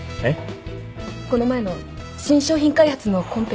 この前の新商品開発のコンペのとき。